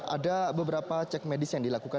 ada beberapa cek medis yang dilakukan